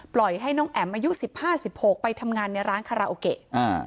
ปล่อยให้น้องแอ๋มอายุ๑๕๑๖ไปทำงานในร้านคาราโอเกะ